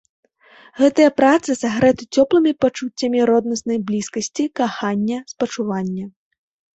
Гэтыя працы сагрэты цёплымі пачуццямі роднаснай блізкасці, кахання, спачування.